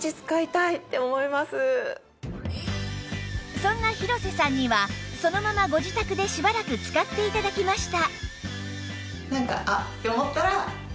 そんな廣瀬さんにはそのままご自宅でしばらく使って頂きました